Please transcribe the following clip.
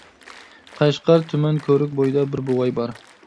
قەشقەر تۈمەن كۆۋرۈك بويىدا بىر بوۋاي بار.